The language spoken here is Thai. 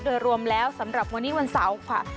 โดยรวมแล้วสำหรับวันนี้วันเสาร์ค่ะ